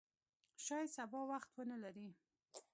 شاید سبا وخت ونه لرې !